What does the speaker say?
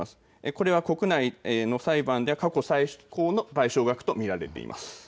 これは国内の裁判では過去最高の賠償額と見られています。